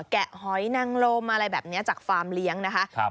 แกะหอยนังลมอะไรแบบนี้จากฟาร์มเลี้ยงนะคะ